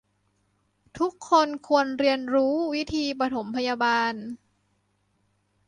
ทุกคนควรเรียนรู้วิธีปฐมพยาบาล